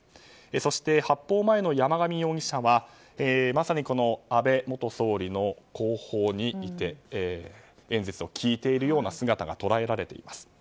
そして発砲前の山上容疑者はまさに安倍元総理の後方にいて演説を聞いているような姿が捉えられています。